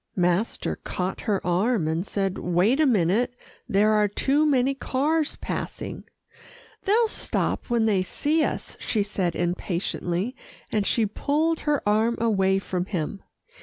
Master caught her arm, and said, "Wait a minute there are too many cars passing." "They'll stop when they see us," she said impatiently, and she pulled her arm away from him.